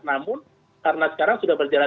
namun karena sekarang sudah berjalan